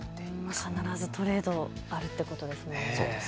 必ずトレード、あるってことですね。